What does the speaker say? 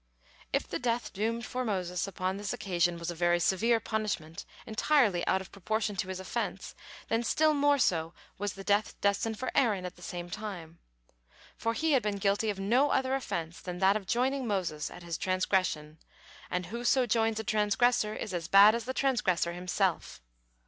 If the death doomed for Moses upon this occasion was a very severe punishment, entirely out of proportion to his offense, then still more so was the death destined for Aaron at the same time. For he had been guilty of no other offense than that of joining Moses at his transgression, and "who so joins a transgressor, is as bad as the transgressor himself."